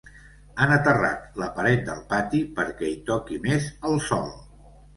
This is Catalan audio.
Han aterrat la paret del pati perquè hi toqui més el sol.